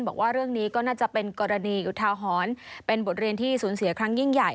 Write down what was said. บอกว่าเรื่องนี้ก็น่าจะเป็นกรณีอุทาหรณ์เป็นบทเรียนที่สูญเสียครั้งยิ่งใหญ่